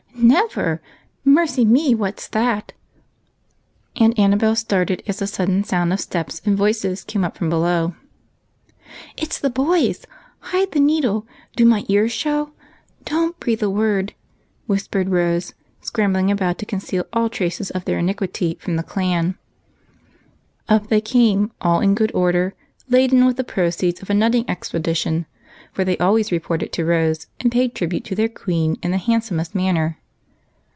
"Never. Mercy me, what's that?" and Annabel started as a sudden sound of steps and voices came up from below. " It 's the boys ! Hide the needle. Do my ears show ? Don't breathe a word !" whispered Rose, scrambling about to conceal all traces of their iniquity from the sharp eyes of the clan. Up they came, all in good order, laden with the pro ceeds of a nutting expedition, for they always reported to Rose and paid tribute to their queen in the hand somest manner.